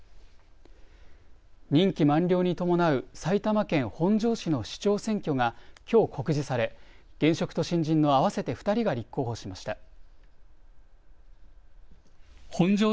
任期満了に伴う埼玉県本庄市の市長選挙がきょう告示され現職と新人の合わせて２人が立候補しました。